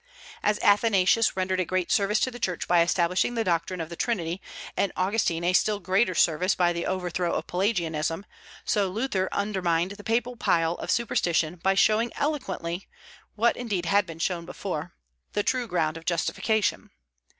As Athanasius rendered a great service to the Church by establishing the doctrine of the Trinity, and Augustine a still greater service by the overthrow of Pelagianism, so Luther undermined the papal pile of superstition by showing eloquently, what indeed had been shown before, the true ground of justification.